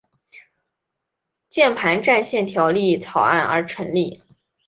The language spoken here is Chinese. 键盘战线条例草案而成立。